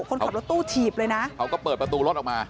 คนขับรถตู้ถีบเลยนะเขาก็เปิดประตูรถออกมา